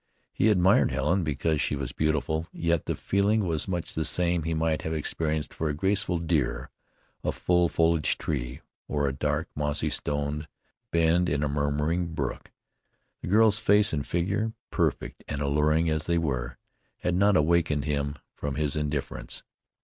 He admired Helen because she was beautiful, yet the feeling was much the same he might have experienced for a graceful deer, a full foliaged tree, or a dark mossy stoned bend in a murmuring brook. The girl's face and figure, perfect and alluring as they were, had not awakened him from his indifference.